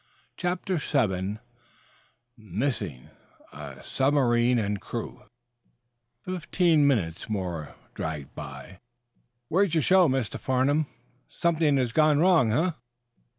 CHAPTER VII MISSING A SUBMARINE AND CREW Fifteen minutes more dragged by. "Where's your show, Mr. Farnum?" "Something has gone wrong, eh?"